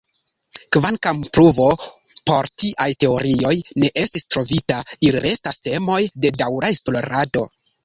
Kvankam pruvo por tiaj teorioj ne estis trovita, ili restas temoj de daŭra esplorado.